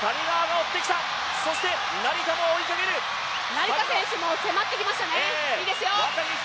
成田選手も迫ってきましたね、いいですよ。